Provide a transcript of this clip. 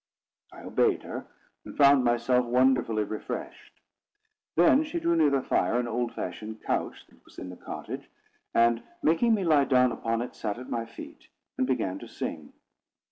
I obeyed her, and found myself wonderfully refreshed. Then she drew near the fire an old fashioned couch that was in the cottage, and making me lie down upon it, sat at my feet, and began to sing.